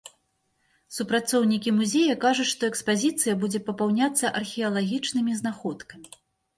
Супрацоўнікі музея кажуць, што экспазіцыя будзе папаўняцца археалагічнымі знаходкамі.